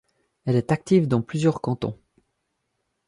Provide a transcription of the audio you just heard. Elle est active dans plusieurs cantons.